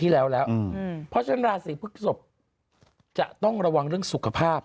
แต่ว่าเรื่องนึงไม่ว่าจะวงการไหนยังไงก็ต้องระวังคือเรื่องสุขภาพ